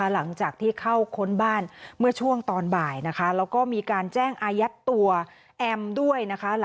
หลังจากที่เข้าค้นบ้านเมื่อช่วงตอนบ่ายนะคะแล้วก็มีการแจ้งอายัดตัวแอมด้วยนะคะ